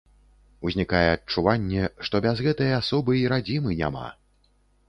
Узнікае адчуванне, што без гэтай асобы і радзімы няма.